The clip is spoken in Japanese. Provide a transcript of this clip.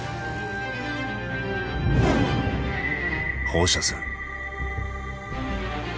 放射線。